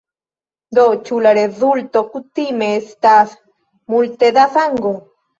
Do ĉu la rezulto kutime estas multe da sango?